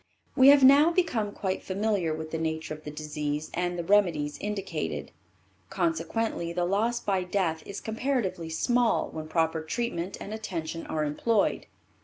We have now become quite familiar with the nature of the disease and the remedies indicated; consequently the loss by death is comparatively small when proper treatment and attention are employed.